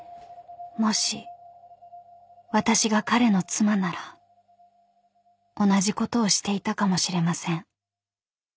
［もし私が彼の妻なら同じことをしていたかもしれません］